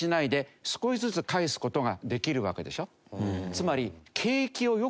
つまり。